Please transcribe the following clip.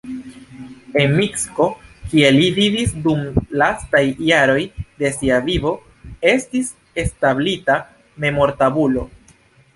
En Minsko, kie li vivis dum lastaj jaroj de sia vivo, estis establita memortabulo.